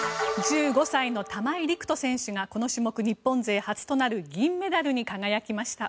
１５歳の玉井陸斗選手がこの種目、日本勢初となる銀メダルに輝きました。